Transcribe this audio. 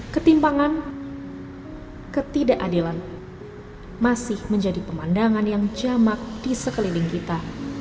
ketimpangan ketidakadilan masih menjadi pemandangan yang jamak di sekeliling kita